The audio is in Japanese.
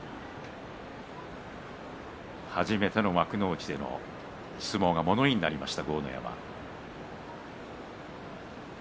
初めての幕内での相撲が物言いになりました。